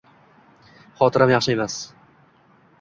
Xotiram yaxshi emas